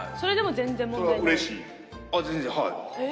全然はい。